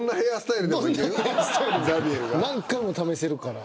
何回も試せるから。